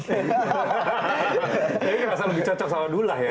tapi ngerasa lebih cocok sama dula ya